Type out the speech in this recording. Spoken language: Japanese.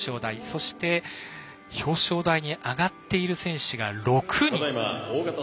そして表彰台に上がっている選手が６人。